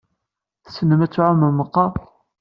Tessnem ad tɛumem meqqar?